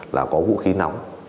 là có vũ khí nóng